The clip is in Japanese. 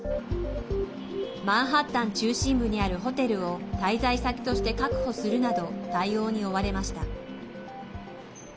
マンハッタン中心部にあるホテルを滞在先として確保するなど対応に追われました。